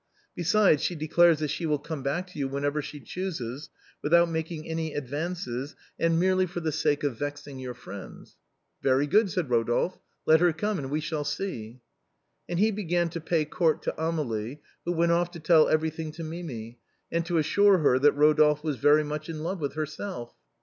Besides she declares that she will come back to you whenever she chooses, without making any advances and merely for the sake of vexing your friends." "Very good/' said Rodolphe, "let her come and we shall see." And he began again to pay court to Amélie, who went off to tell everything to Mimi, and to assure her that Rodolphe was very much in love with herself.